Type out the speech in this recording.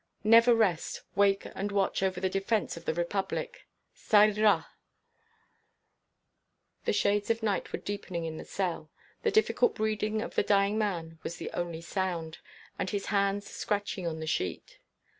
Never rest; wake and watch over the defence of the Republic. Ça ira." The shades of night were deepening in the cell. The difficult breathing of the dying man was the only sound, and his hands scratching on the sheet.